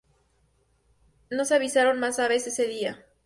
No se avistaron más aves ese día.